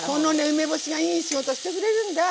梅干しがいい仕事してくれるんだ。